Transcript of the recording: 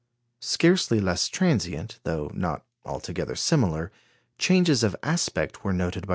Scarcely less transient, though not altogether similar, changes of aspect were noted by M.